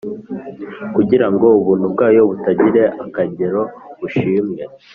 Kugira ngo ubuntu bwayo butagira akagero bushimwe,